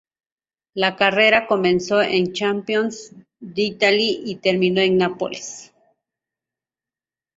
La carrera comenzó en Campione d'Italia y terminó en Nápoles.